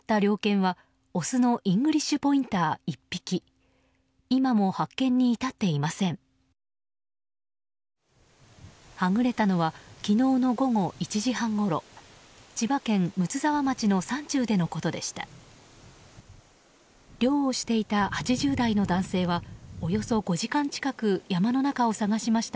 はぐれたのは昨日の午後１時半ごろ千葉県睦沢町の山中でのことでした。